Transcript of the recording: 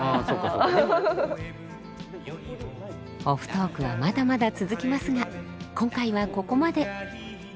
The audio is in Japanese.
オフトークはまだまだ続きますが今回はここまで。